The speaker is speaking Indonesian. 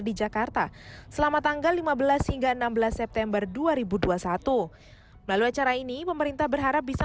di jakarta selama tanggal lima belas hingga enam belas september dua ribu dua puluh satu melalui acara ini pemerintah berharap bisa